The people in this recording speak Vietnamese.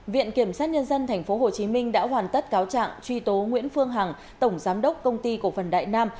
viện kiểm sát nhân dân tp hcm đã hoàn tất cáo trạng truy tố nguyễn phương hằng tổng giám đốc công ty cổ phần đại nam